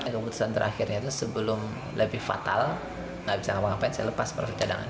keputusan terakhirnya itu sebelum lebih fatal enggak bisa ngapa ngapain saya lepas para pencadangan